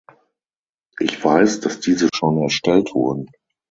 Ich weiß, dass diese schon erstellt wurden.